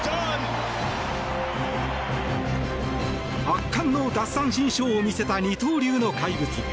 圧巻の奪三振ショーを見せた二刀流の怪物。